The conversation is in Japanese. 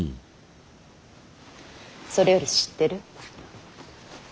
それより知ってる？